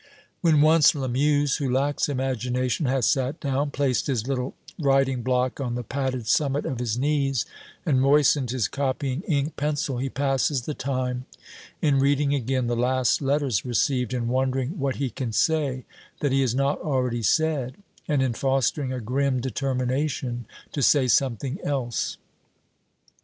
When once Lamuse who lacks imagination has sat down, placed his little writing block on the padded summit of his knees, and moistened his copying ink pencil, he passes the time in reading again the last letters received, in wondering what he can say that he has not already said, and in fostering a grim determination to say something else.